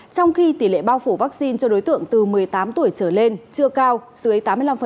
trong khi tỷ lệ bao phủ vaccine cho đối tượng từ một mươi tám tuổi trở lên chưa cao dưới tám mươi năm